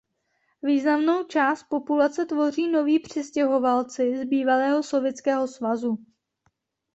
Významnou část populace tvoří noví přistěhovalci z bývalého Sovětského svazu.